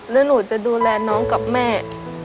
แล้วหนูจะดูแลน้องกับแม่